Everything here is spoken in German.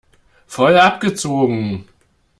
Voll abgezogen!